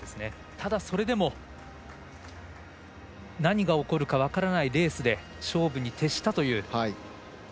ただ、それでも何が起こるか分からないレースで、勝負に徹したという。